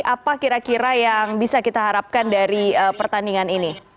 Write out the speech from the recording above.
apa kira kira yang bisa kita harapkan dari pertandingan ini